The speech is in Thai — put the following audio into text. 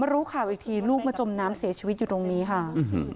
รู้ข่าวอีกทีลูกมาจมน้ำเสียชีวิตอยู่ตรงนี้ค่ะ